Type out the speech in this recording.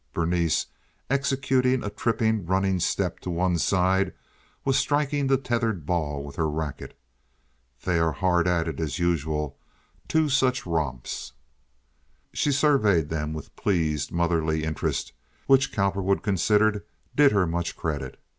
Berenice, executing a tripping, running step to one side, was striking the tethered ball with her racquet. "They are hard at it, as usual. Two such romps!" She surveyed them with pleased motherly interest, which Cowperwood considered did her much credit.